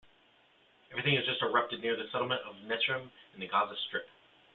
Everything has just erupted near the settlement of Netzarim in the Gaza Strip.